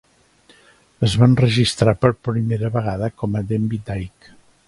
Es va enregistrar per primera vegada com a Denby Dyke.